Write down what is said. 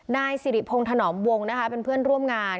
นายสิริพงศ์ถนอมวงนะคะเป็นเพื่อนร่วมงาน